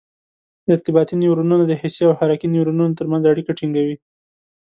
ارتباطي نیورونونه د حسي او حرکي نیورونونو تر منځ اړیکه ټینګوي.